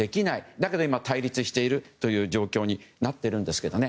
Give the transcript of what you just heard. だけど今、対立している状況になっているんですけどね。